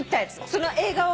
その映画。